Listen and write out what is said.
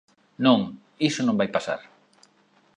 Non, iso non vai pasar.